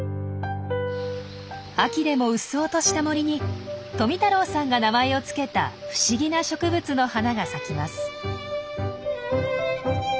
秋でもうっそうとした森に富太郎さんが名前を付けた不思議な植物の花が咲きます。